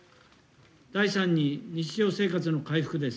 第３に、日常生活の回復です。